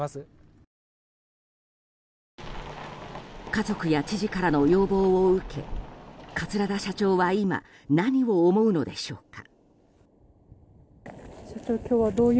家族や知事からの要望を受け桂田社長は今何を思うのでしょうか？